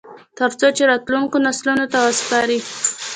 ترڅو یې راتلونکو نسلونو ته وسپاري